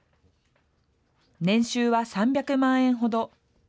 年収は３００万円ほど。